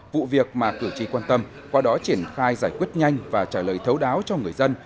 vụ việc mà cử tri quan tâm qua đó triển khai giải quyết nhanh và trả lời thấu đáo cho người dân